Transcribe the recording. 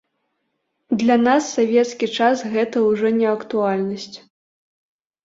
Для нас савецкі час гэта ўжо не актуальнасць.